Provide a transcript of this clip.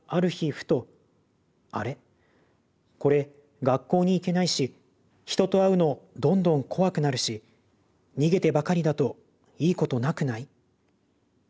ふと『あれ？これ学校に行けないし人と会うのどんどん怖くなるし逃げてばかりだといいことなくない？』と思いました。